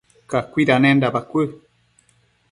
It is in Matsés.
cacuidanenda bacuë